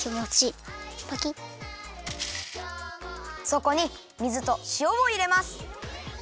そこに水としおをいれます。